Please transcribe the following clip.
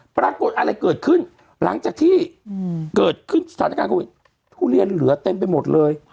ปรากฏอะไรเกิดขึ้นหลังจากที่เกิดขึ้นสถานการณ์โควิดทุเรียนเหลือเต็มไปหมดเลย